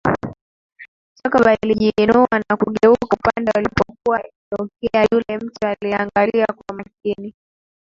Jacob alijiinua na kugeuka upande alipokuwa akitokea yule mtu aliangalia kwa makini